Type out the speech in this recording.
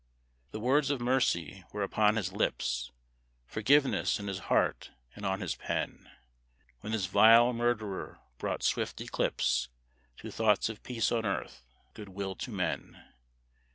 The words of mercy were upon his lips, Forgiveness in his heart and on his pen, When this vile murderer brought swift eclipse To thoughts of peace on earth, good will to men.